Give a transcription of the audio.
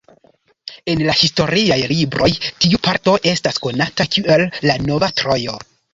En la historiaj libroj tiu parto estas konata kiel "La nova Trojo".